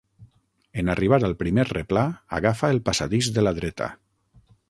En arribar al primer replà, agafa el passadís de la dreta.